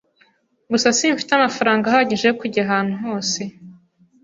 Gusa simfite amafaranga ahagije yo kujya ahantu hose.